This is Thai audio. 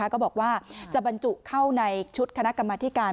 ก็บอกว่าจะบรรจุเข้าในชุดคณะกรรมธิการ